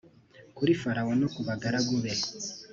kuri farawo no ku bagaragu be